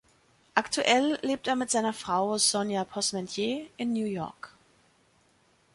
Aktuell lebt er mit seiner Frau Sonya Posmentier in New York.